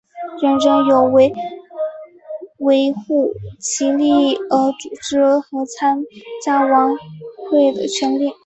人人有为维护其利益而组织和参加工会的权利。